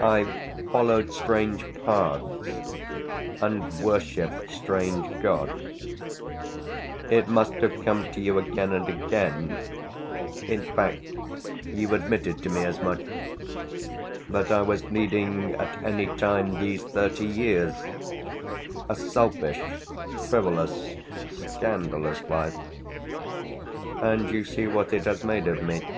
I've followed strange paths and worshipped strange gods; it must have come to you again and again in fact you've admitted to me as much that I was leading, at any time these thirty years, a selfish frivolous scandalous life. And you see what it has made of me."